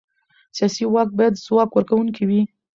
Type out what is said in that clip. سیاسي واک باید ځواب ورکوونکی وي